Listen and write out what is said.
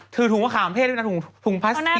ถือถุงมะขามเทศด้วยนะถุงพัสสิวะหัง